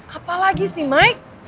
apalagi sih mike